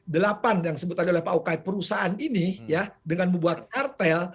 delapan yang disebut tadi oleh pak ukay perusahaan ini ya dengan membuat kartel